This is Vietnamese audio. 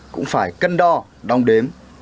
cũng phải cân đo đong đếm